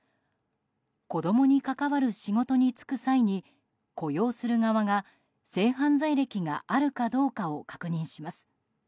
子供に関わる仕事に就く際に雇用する側が性犯罪歴があるかどうかを確認します。